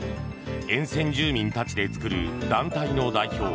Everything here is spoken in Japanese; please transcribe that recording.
沿線住民たちで作る団体の代表